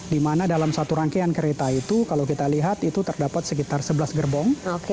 di mana dalam satu rangkaian kereta itu kalau kita lihat itu terdapat sekitar sebelas gerbong